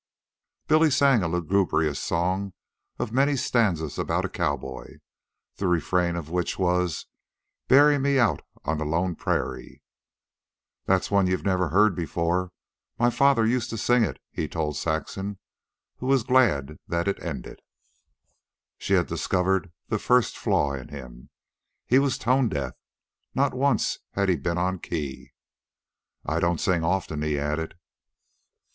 Billy sang a lugubrious song of many stanzas about a cowboy, the refrain of which was, "Bury me out on the lone pr rairie." "That's one you never heard before; my father used to sing it," he told Saxon, who was glad that it was ended. She had discovered the first flaw in him. He was tonedeaf. Not once had he been on the key. "I don't sing often," he added.